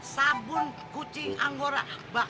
kemungkinan dikoneksiasi masih pengen